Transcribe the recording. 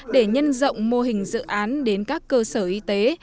để nhân rộng mô hình dự án đến các cơ sở y tế